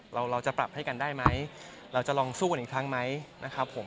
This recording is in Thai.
เราจะปรับให้กันได้ไหมเราจะลองสู้กันอีกครั้งไหมนะครับผม